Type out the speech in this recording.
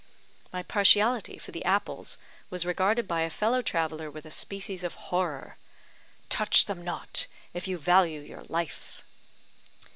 My partiality for the apples was regarded by a fellow traveller with a species of horror. "Touch them not, if you value your life."